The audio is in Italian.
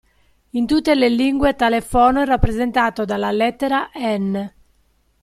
In tutte le lingue tale fono è rappresentato dalla lettera "N".